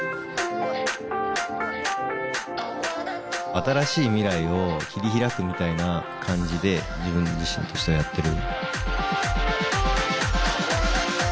新しい未来を切り開くみたいな感じで自分自身としてはやってる。